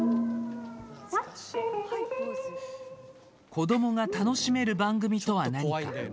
子どもが楽しめる番組とは何か。